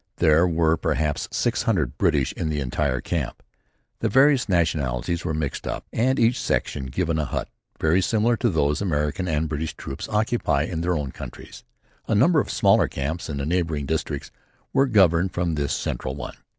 There were perhaps six hundred British in the entire camp. The various nationalities were mixed up and each section given a hut very similar to those American and British troops occupy in their own countries. A number of smaller camps in the neighbouring districts were governed from this central one.